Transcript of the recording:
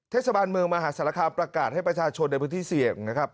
เทศบาลเมืองมหาศาลคามประกาศให้ประชาชนในพื้นที่เสี่ยงนะครับ